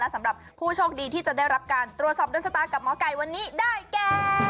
สำหรับผู้โชคดีที่จะได้รับการตรวจสอบโดนชะตากับหมอไก่วันนี้ได้แก